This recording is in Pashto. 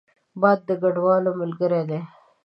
باد د کډوالو ملګری دی